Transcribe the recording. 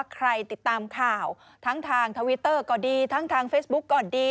ใครติดตามข่าวทั้งทางทวิตเตอร์ก็ดีทั้งทางเฟซบุ๊กก็ดี